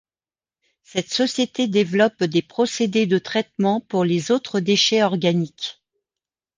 Cette société développe des procédés de traitement pour les autres déchets organiques.